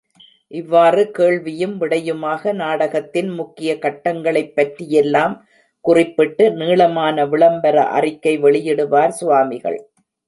இவ்வாறு கேள்வியும், விடையுமாக நாடகத்தின் முக்கிய கட்டங்களைப்பற்றியெல்லாம் குறிப்பிட்டு, நீளமான விளம்பர அறிக்கை வெளியிடுவார் சுவாமிகள்.